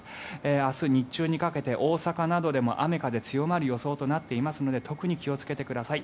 明日日中にかけて大阪などでも雨風強まる予想となっていますので特に気をつけてください。